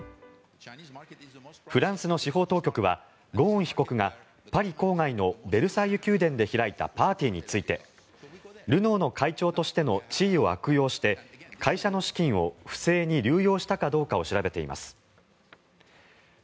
フランスの司法当局はゴーン被告がパリ郊外のベルサイユ宮殿で開いたパーティーについてルノーの会長としての地位を悪用して会社の資金を不正に流用したかどうかを調べています。